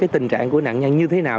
tình trạng của nạn nhân như thế nào